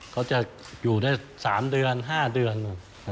เขาจะอยู่ได้๓เดือน๕เดือน